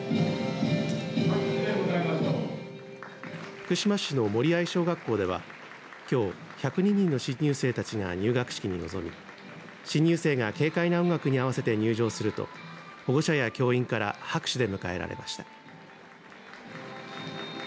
福島市の森合小学校ではきょう、１０２人の新入生たちが入学式に臨み新入生が軽快な音楽に合わせて入場すると保護者や教員から拍手で迎えられました。